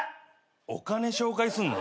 お金紹介すんの？